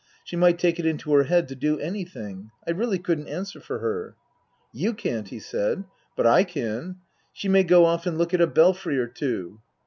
She might take it into her head to do anything. I really couldn't answer for her. " You can't," he said. " But / can. She may go off and look at a belfry or two."